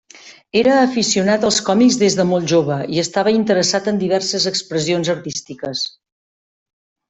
Era aficionat als còmics des de molt jove i estava interessat en diverses expressions artístiques.